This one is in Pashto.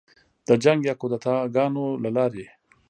د جنګ یا کودتاه ګانو له لارې